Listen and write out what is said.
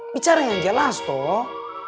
bicara yang jelas tom